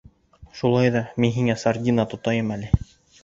— Шулай ҙа мин һиңә сардина тотайым әле.